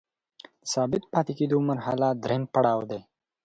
د ثابت پاتې کیدو مرحله دریم پړاو دی.